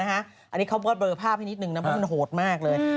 อันนี้เขาก็เบลอภาพให้นิดนึงนะเพราะมันโหดมากเลย